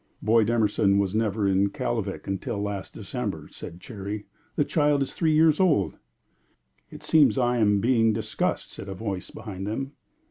"Boyd Emerson was never in Kalvik until last December," said Cherry. "The child is three years old." "It seems I am being discussed," said a voice behind them.